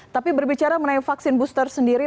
tapi berbicara mengenai vaksin booster sendiri